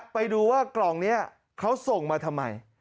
ไปดูว่ากล่องนี้เขาส่งมาทำไม